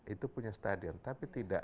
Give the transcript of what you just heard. itu punya stadion tapi tidak